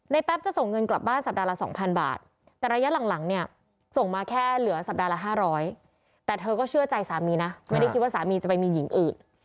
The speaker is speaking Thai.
แป๊บจะส่งเงินกลับบ้านสัปดาห์ละ๒๐๐บาทแต่ระยะหลังเนี่ยส่งมาแค่เหลือสัปดาห์ละ๕๐๐แต่เธอก็เชื่อใจสามีนะไม่ได้คิดว่าสามีจะไปมีหญิงอื่น